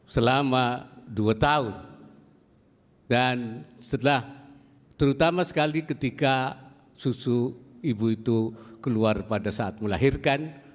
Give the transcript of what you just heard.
selama dua tahun dan setelah terutama sekali ketika susu ibu itu keluar pada saat melahirkan